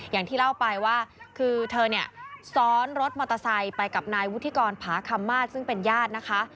อย่างที่เล่าไปว่าคือเธอเนี่ยซ้อนรถมอเตอร์ไซค์ไปกับนายวุฒิกรผาคำมาศซึ่งเป็นญาตินะคะ